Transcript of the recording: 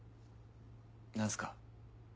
何すか？